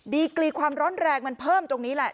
กรีความร้อนแรงมันเพิ่มตรงนี้แหละ